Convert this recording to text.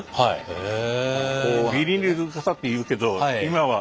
へえ。